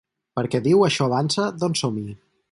Perquè diu: ‘Això avança, doncs som-hi’.